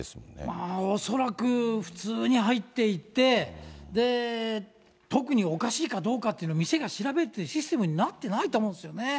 まあ、恐らく普通に入っていって、で、特におかしいかどうかっていうのは、店が調べるシステムになってないと思うんですよね。